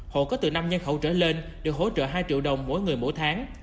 hộ có từ năm nhân khẩu trở lên được hỗ trợ hai triệu đồng mỗi người mỗi tháng